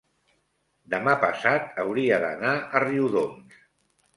demà passat hauria d'anar a Riudoms.